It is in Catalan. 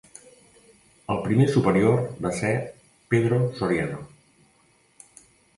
El primer superior va ser Pedro Soriano.